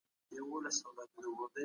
که باران وسي د فیل خاپونه مړاوې کېږي.